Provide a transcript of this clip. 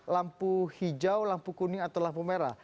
lampu hijau lampu kuning atau lampu merah